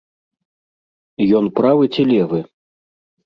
Ён правы ці левы?